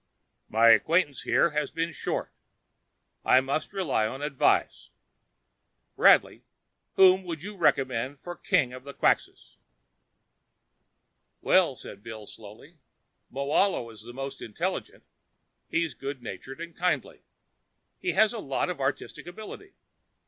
"My acquaintance here has been short. I must rely on advice. Bradley, whom would you recommend as king of the Quxas?" "Well," said Bill slowly, "Moahlo is the most intelligent. He's good natured and kindly. He has a lot of artistic ability.